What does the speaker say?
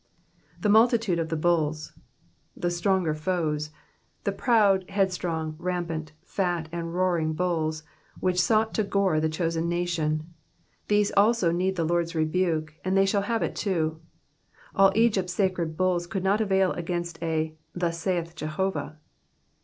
^^The multitude ofthebtUlSj^^ the stronger foes ; the proud, headstrong, rampant, fat, and roaring bulls, which sought to gore the chosen nation, — these also need the Lord's rebuke, and they shall have it too. All Egypt's sacred bulls could not avail against a thus saith Jehovah."